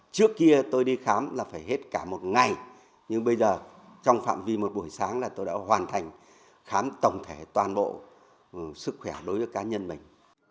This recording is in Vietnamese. trước kia tôi đi khám là phải hết cả một ngày nhưng bây giờ trong phạm vi một buổi sáng là tôi đã hoàn thành khám tổng thể toàn bộ sức khỏe đối với cá nhân mình